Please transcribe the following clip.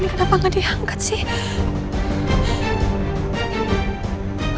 kenapa gak diangkat sih